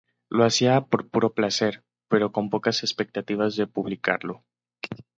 Lo hacía por puro placer, pero con pocas expectativas de publicarlo.